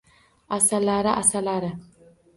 Asalari, asalari